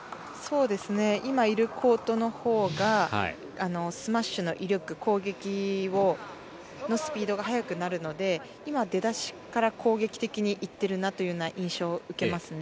今いるコートのほうがスマッシュの威力攻撃のスピードが速くなるので、出だしから攻撃的に行っているなという印象を受けますね。